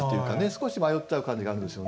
少し迷っちゃう感じがあるんですよね。